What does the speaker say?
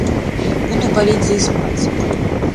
Буду балець за іспанцаў.